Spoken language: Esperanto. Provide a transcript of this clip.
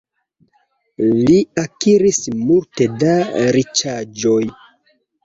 Li akiris multe da riĉaĵoj.